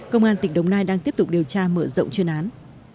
công an tỉnh đồng nai đang tiếp tục điều tra mở rộng chuyên án